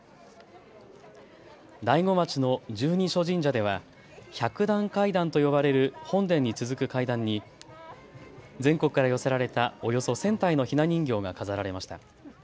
大子町の十二所神社では百段階段と呼ばれる本殿に続く階段に全国から寄せられたおよそ１０００体のひな人形が飾られました。